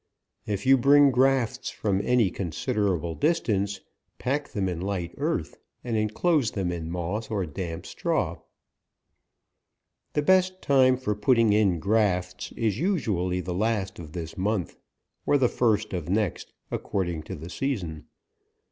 If you bring grafts from any considerable distance, pack them in light earth, and inclose them in moss or damp straw. The best time for putting in grafts, is usu ally the last of this month, or the first of next, according to the season.